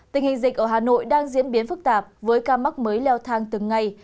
tình hình dịch ở hà nội đang diễn biến phức tạp với ca mắc mới leo thang từng ngày